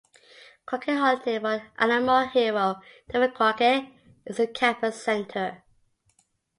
Crockett Hall, named for Alamo hero David Crockett, is the Campus Center.